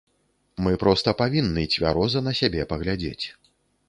Мы проста павінны цвяроза на сябе паглядзець.